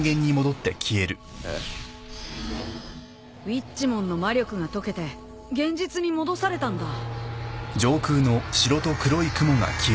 ウィッチモンの魔力が解けて現実に戻されたんだ。